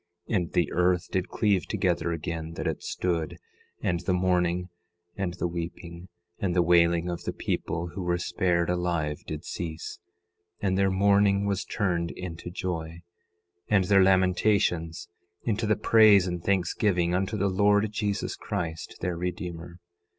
10:10 And the earth did cleave together again, that it stood; and the mourning, and the weeping, and the wailing of the people who were spared alive did cease; and their mourning was turned into joy, and their lamentations into the praise and thanksgiving unto the Lord Jesus Christ, their Redeemer.